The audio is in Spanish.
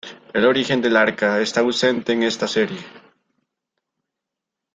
El origen del Arca está ausente en esta serie.